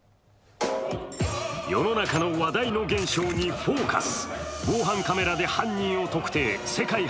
世の中の話題の現象に「ＦＯＣＵＳ」。